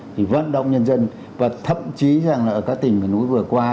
thì vấn đồng nhân dân và thậm chí là ở các tỉnh và núi vừa qua